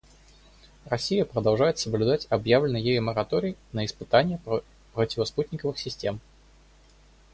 Россия продолжает соблюдать объявленный ею мораторий на испытания противоспутниковых систем.